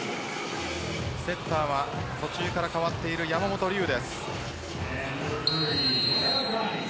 セッターは途中から代わっている山本龍です。